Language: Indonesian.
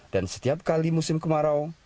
dan setiap kali musim kemarau